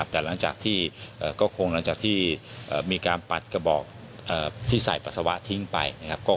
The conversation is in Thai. แต่หลังจากที่มีการปัดกระบอกที่ใส่ปัสสาวะทิ้งไป